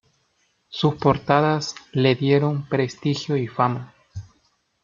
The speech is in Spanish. Sus portadas le dieron prestigio y fama.